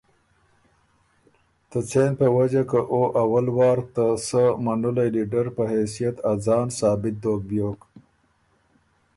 ته څېن په وجه که او اول وار ته سۀ منُلئ لیډر په حېثئت ا ځان ثابت دوک بیوک۔